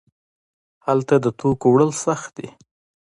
هلته د توکو وړل سخت دي.